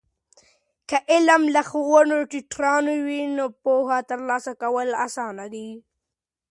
که علم له ښوونه ټیټرانو وي، نو پوهه ترلاسه کول آسانه دی.